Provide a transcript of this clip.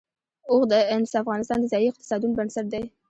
اوښ د افغانستان د ځایي اقتصادونو بنسټ دی.